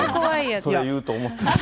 それ言うと思った。